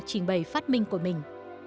trình bày phát minh của mình